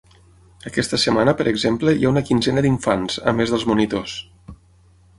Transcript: Aquesta setmana, per exemple, hi ha una quinzena d’infants, a més dels monitors.